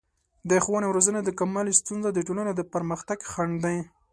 د ښوونې او روزنې د کموالي ستونزه د ټولنې د پرمختګ خنډ دی.